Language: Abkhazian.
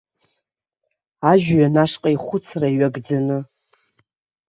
Ажәҩан ашҟа ихәыцра ҩагӡаны.